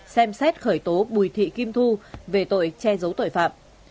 xem xét khởi tố bùi thị kim thu về tội che giấu tội phạm